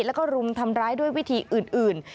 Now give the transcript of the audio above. แล้วก็รุมทำร้ายด้วยวิธีอื่น